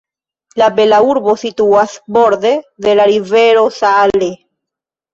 La bela urbo situas borde de la rivero Saale.